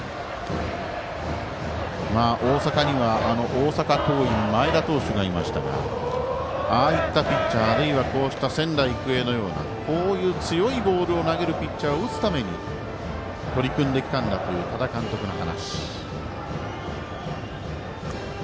大阪には大阪桐蔭、前田投手がいましたがああいったピッチャー、あるいはこうした仙台育英のようなこういう強いボールを投げるピッチャーを打つために取り組んできたんだという多田監督の話。